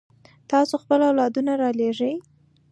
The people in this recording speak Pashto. تاسو خپل اولادونه رالېږئ.